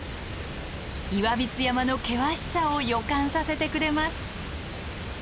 岩櫃山の険しさを予感させてくれます。